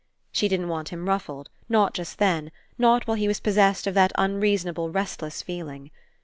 She didn't want him ruffled, not just then, not while he was possessed of that un reasonable restless feeling.